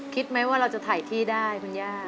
คิดไหมว่าเราจะถ่ายที่ได้คุณย่า